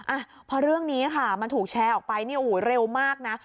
อ่ะพอเรื่องนี้ค่ะมันถูกแชร์ออกไปเนี่ยโอ้โหเร็วมากนะ